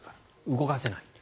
動かせない。